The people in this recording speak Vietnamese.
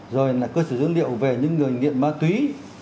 rồi là cơ sở dữ liệu về những người nghiện ma túy